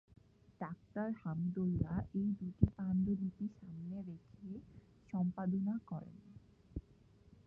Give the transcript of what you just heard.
ডাক্তারহামিদুল্লাহ এই দুটি পাণ্ডুলিপি সামনে রেখে সম্পাদনা করেন।